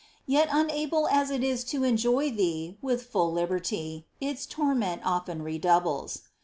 Yet, unable: as it is to enjoy Thee with full liberty, its torment often redoubles.